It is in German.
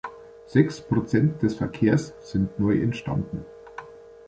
Sechs Prozent des Verkehrs sind neu entstanden.